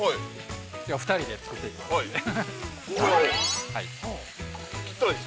きょうは２人で作っていきますんで。